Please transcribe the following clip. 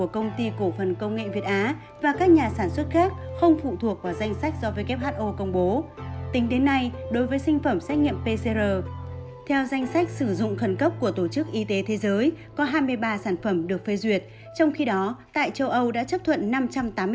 công ty cổ phần sao thái dương niêm yết giá loại xét nghiệm pcr là ba trăm linh đồng mua sản phẩm và xét nghiệm lam có giá ba trăm tám mươi năm đồng mua sản phẩm